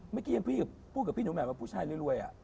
เมื่อกี้ยังพี่พูดกับพี่หนูแบบว่าผู้ชายรวย